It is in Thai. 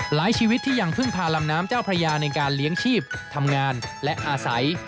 ชีวิตที่ยังพึ่งพาลำน้ำเจ้าพระยาในการเลี้ยงชีพทำงานและอาศัย